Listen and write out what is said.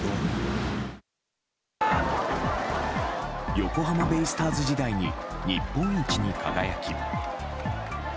横浜ベイスターズ時代に日本一に輝き。